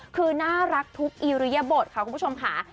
คือน่ารักทุกอิริยบทค่ะคุณผู้ชมค่ะ